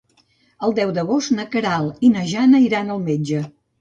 El deu d'agost na Queralt i na Jana iran al metge.